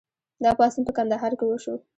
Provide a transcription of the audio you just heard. دا پاڅون په کندهار کې وشو.